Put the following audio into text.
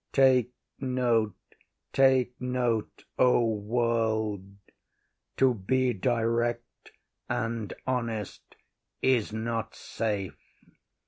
Take note, take note, O world, To be direct and honest is not safe.